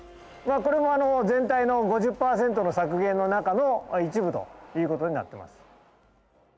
これも全体の５０％の削減の中の一部ということになってます。